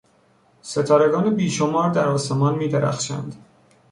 ستارگان بیشمار در آسمان میدرخشند.